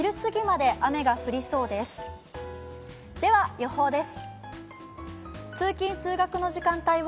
では予報です。